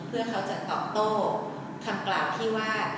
เพื่อเขาจะตอบโต้คำกล่าวที่ว่า